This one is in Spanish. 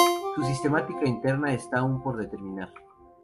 Su sistemática interna está aún por determinar.